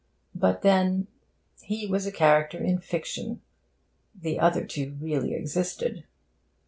But then, he was a character in fiction: the other two really existed.